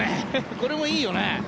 これもいいよね。